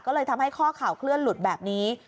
ก็เลยทำให้ข้อข่าวเคลื่อนหลุดแบบนี้